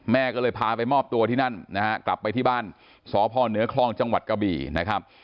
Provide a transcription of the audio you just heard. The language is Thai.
แม่ก็เลยพาไปมอบตัวที่นั่นนะฮะกลับไปที่บ้านสพเหนือคลองจังหวัดกะบี่นะครับ